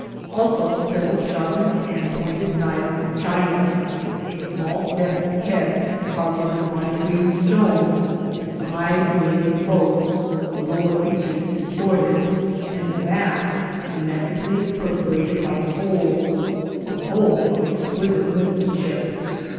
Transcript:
Also several sharp edged and pointed knives of chaya, a small death's head carved in a fine green stone, its eyes nearly closed, the lower features distorted, and the back symmetrical ly perforated by holes, the whole of exquisite work manship.